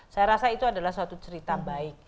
saya rasa itu adalah suatu cerita baik